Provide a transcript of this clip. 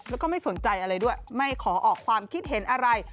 แล้วก็ไม่สนใจอะไรด้วยไม่ขอออกความคิดเห็นอะไร